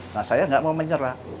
nah saya nggak mau menyerah